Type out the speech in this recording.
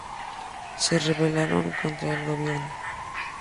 Se rebelaron contra el gobierno.